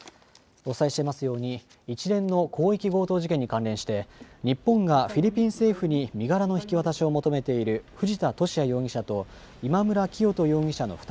お伝えしていますように一連の広域強盗事件に関連して日本がフィリピン政府に身柄の引き渡しを求めている藤田聖也容疑者と今村磨人